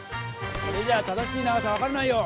それじゃあ正しい長さは分かんないよ！